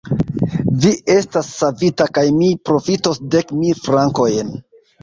Vi estas savita kaj mi profitos dek mil frankojn.